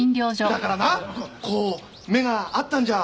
だからなこう目が合ったんじゃ。